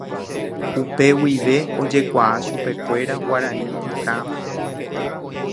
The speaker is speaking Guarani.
upe guive ojekuaa chupekuéra Guarani Pytãme